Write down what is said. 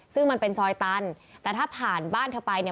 ซึ่งมันเป็นซอยตันแต่ถ้าผ่านบ้านเธอไปเนี่ย